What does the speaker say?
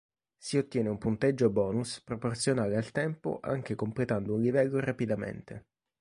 Si ottiene un punteggio bonus proporzionale al tempo anche completando un livello rapidamente.